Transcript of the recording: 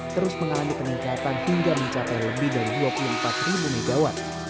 terus mengalami peningkatan hingga mencapai lebih dari dua puluh empat ribu megawatt